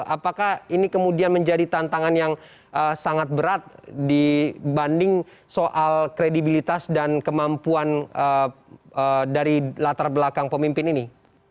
apakah ini kemudian menjadi tantangan yang sangat berat dibanding soal kredibilitas dan kemampuan dari latar belakang pemimpin ini